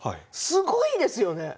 すごいですよね。